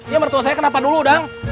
ya mertua saya kenapa dulu dong